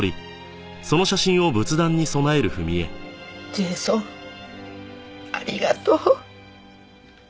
ジェイソンありがとう。